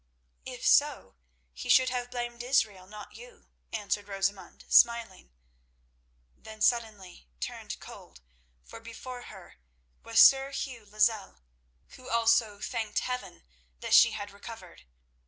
"If so, he should have blamed Azrael, not you," answered Rosamund, smiling; then suddenly turned cold, for before her was Sir Hugh Lozelle, who also thanked Heaven that she had recovered.